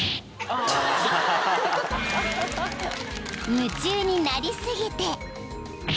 ［夢中になり過ぎて］